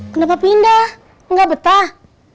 kenapa pindah enggak betah